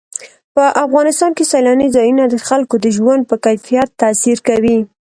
په افغانستان کې سیلانی ځایونه د خلکو د ژوند په کیفیت تاثیر کوي.